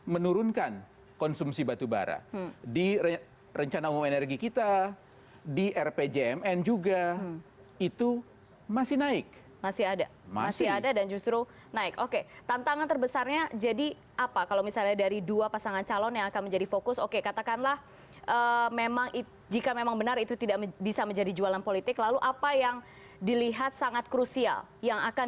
menyampaikan bahwa kita tidak bisa tergantung selamanya pada energi fosil karena dalam hitungan